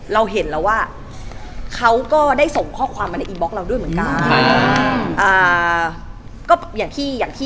เราเห็นแล้วว่าเขาก็ได้ส่งข้อความมาในอินบล็อกเราด้วยเหมือนกัน